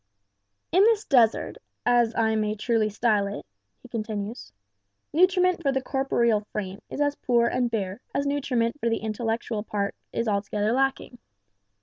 "In this desert, as I may truly style it" (he continues), "nutriment for the corporeal frame is as poor and bare as nutriment for the intellectual part is altogether lacking.